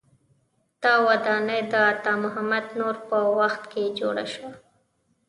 دا ودانۍ د عطا محمد نور په وخت کې جوړه شوه.